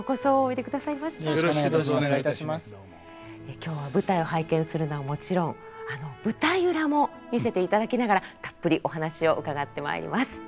今日は舞台を拝見するのはもちろん舞台裏も見せていただきながらたっぷりお話を伺ってまいります。